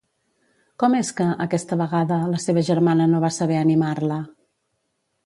Com és que, aquesta vegada, la seva germana no va saber animar-la?